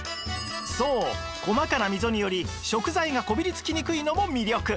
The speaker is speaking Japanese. そう細かな溝により食材がこびりつきにくいのも魅力